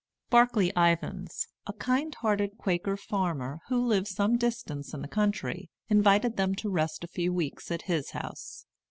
Barclay Ivens, a kind hearted Quaker farmer, who lived some distance in the country, invited them to rest a few weeks at his house.